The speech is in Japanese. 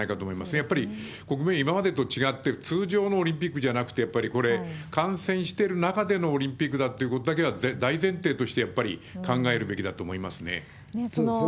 やっぱり国民は今までと違って、通常のオリンピックじゃなくて、やっぱりこれ、感染してる中でのオリンピックだっていうことだけは大前提として、やっぱり考えるべきだと思いますね。